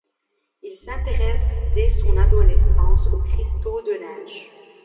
Il s'intéresse dès son adolescence aux cristaux de neige.